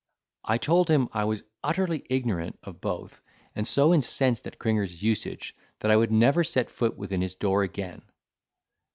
I told him, I was utterly ignorant of both, and so incensed at Cringer's usage, that I would never set foot within his door again.